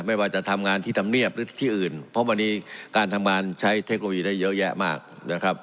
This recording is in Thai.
ไม่ว่าจะทำงานที่ทำเนียบหรือที่อื่นเพราะวันนี้การทำงานใช้เทคโนโลยีได้เยอะแยะมากนะครับ